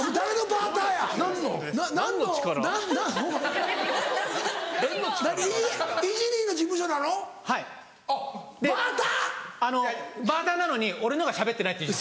バーターなのに俺のほうがしゃべってないっていう。